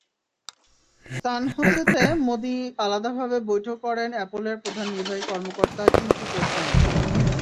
সান হোসেতে মোদি আলাদাভাবে বৈঠক করেন অ্যাপলের প্রধান নির্বাহী কর্মকর্তা টিম কুকের সঙ্গে।